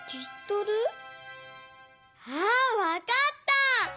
あわかった！